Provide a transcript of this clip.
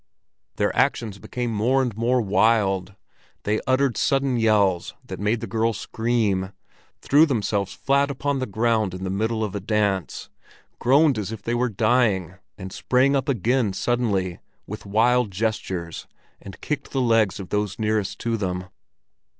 Their actions became more and more wild, they uttered sudden yells that made the girls scream, threw themselves flat upon the ground in the middle of a dance, groaned as if they were dying, and sprang up again suddenly with wild gestures and kicked the legs of those nearest to them.